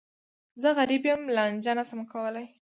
زه غریب یم، لانجه نه شم کولای.